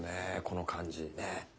この感じ。ね。